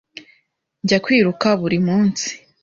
Njya kwiruka buri munsi.